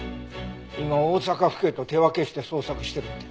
今大阪府警と手分けして捜索してるって。